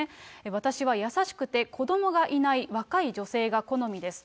私は優しくて子どもがいない若い女性が好みです。